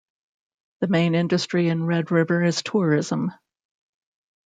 The main industry in Red River is tourism.